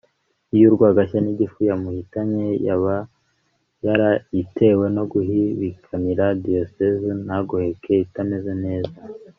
iy’urwagashya n’igifu yamuhitanye yaba yarayitewe no guhihibikanira Diyosezi ntagoheke itameze neza